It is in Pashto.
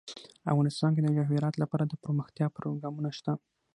افغانستان کې د جواهرات لپاره دپرمختیا پروګرامونه شته.